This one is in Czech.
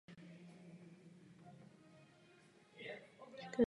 Chandler to v životě neměl moc lehké.